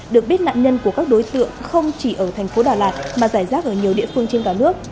được biết nạn nhân của các đối tượng không chỉ ở thành phố đà lạt mà giải rác ở nhiều địa phương trên cả nước